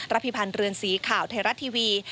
พิพันธ์เรือนสีข่าวไทยรัฐทีวี